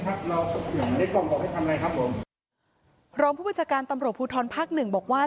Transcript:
เพราะร้องผู้บริษัทการตำรบผู้ท้อนภาคหนึ่งบอกว่า